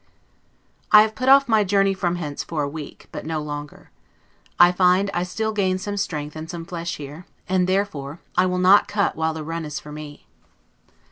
I have put off my journey from hence for a week, but no longer. I find I still gain some strength and some flesh here, and therefore I will not cut while the run is for me.